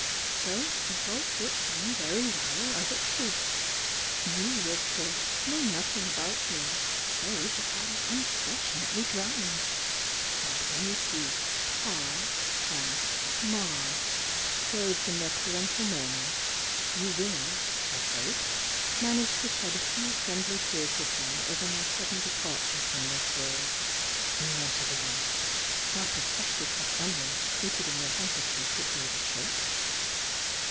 So it all fits in very well as it should. You, of course, know nothing about me save that I was unfortunately drowned!— and when you see 'Pa' and 'Ma' clothed in their parental mourning, you will, I hope, manage to shed a few friendly tears with them over my sudden departure from this world. (N.B. A scrap of freshly cut onion secreted m your handkerchief would do the trick!)